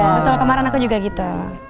betul kemarin aku juga gitu